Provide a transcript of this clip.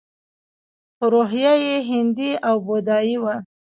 خو روحیه یې هندي او بودايي وه